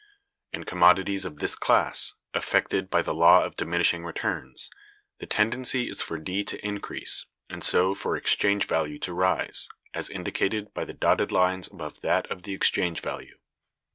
In commodities of this class, affected by the law of diminishing returns, the tendency is for D to increase, and so for exchange value to rise, as indicated by the dotted lines above that of the exchange value.